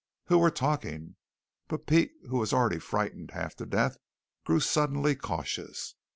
"Who were talking?" But Pete, who was already frightened half to death, grew suddenly cautious.